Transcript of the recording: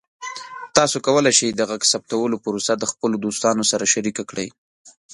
تاسو کولی شئ د غږ ثبتولو پروسه د خپلو دوستانو سره شریکه کړئ.